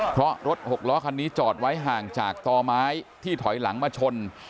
เพราะรถหกล้อคันนี้จอดไว้ห่างจากต่อไม้ที่ถอยหลังมาชน